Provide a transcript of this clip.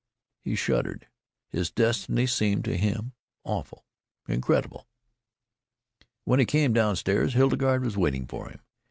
He shuddered. His destiny seemed to him awful, incredible. When he came downstairs Hildegarde was waiting for him.